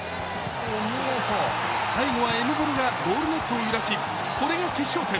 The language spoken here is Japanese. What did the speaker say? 最後はエムボロがゴールネットを揺らし、これが決勝点。